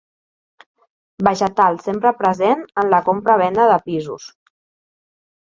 Vegetal sempre present en la compra-venda de pisos.